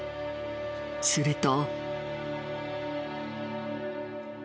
すると。